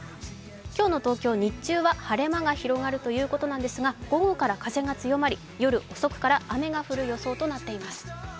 今日の東京、日中は晴れ間が広がるということなんですが午後から風が強まり夜遅くから雨が降る予想となっています。